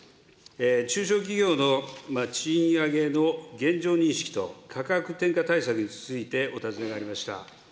中小企業の賃上げの現状認識と価格転嫁対策についてお尋ねがありました。